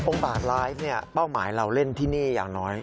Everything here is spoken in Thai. องค์บาทไลฟ์เป้าหมายเราเล่นที่นี่อย่างน้อย